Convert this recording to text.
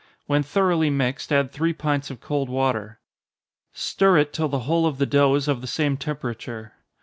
When thoroughly mixed, add three pints of cold water. Stir it till the whole of the dough is of the same temperature.